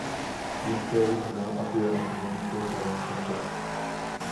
These "trails" now appear at many places along the coast.